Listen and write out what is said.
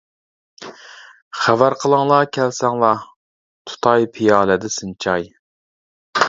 خەۋەر قىلىڭلار كەلسەڭلار، ، تۇتاي پىيالىدە سىنچاي.